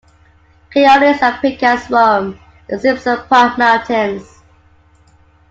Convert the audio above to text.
Coyotes and pikas roam the Simpson Park Mountains.